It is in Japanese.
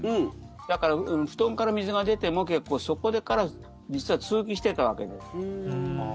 だから布団から水が出てもそこから実は通気してたわけです。